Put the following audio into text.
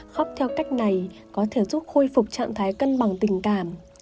khóc theo cách này có thể giúp khôi phục trạng thái cân bằng tình cảm